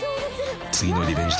［次のリベンジ